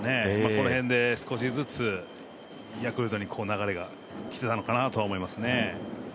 この辺で少しずつヤクルトに流れが来てたのかなと思います。